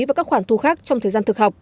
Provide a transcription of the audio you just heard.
và các khoản thu khác trong thời gian thực học